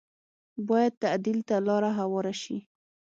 بايد تعديل ته یې لاره هواره شي